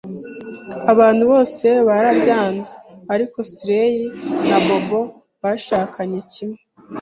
Abantu bose barabyanze, ariko Sally na Bob bashakanye kimwe.